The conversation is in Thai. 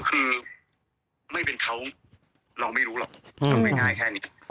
คือไม่เป็นเขาเราไม่รู้หรอกทำง่ายแค่นี้